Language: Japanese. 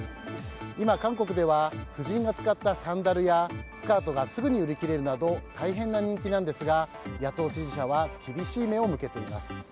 今、韓国では夫人が使ったサンダルやスカートがすぐに売り切れるなど大変な人気なんですが野党支持者は厳しい目を向けています。